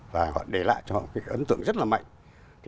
và họ để lại cho họ cái ấn tượng rất là mạnh